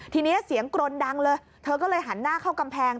ทีนี้เสียงกรนดังเลยเธอก็เลยหันหน้าเข้ากำแพง